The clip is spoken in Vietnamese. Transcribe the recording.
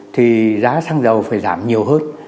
thì giá xăng dầu phải giảm nhiều hơn